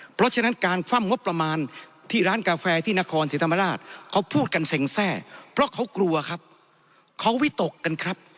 เพราะฉะนั้นการคว่ำงบประมาณที่ร้านกาแฟที่นครศรีธรรมราชเขาพูดกันเซ็งแทร่เพราะเขากลัวครับเขาวิตกกันครับ